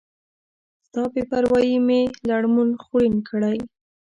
ستا بی پروایي می لړمون خوړین کړی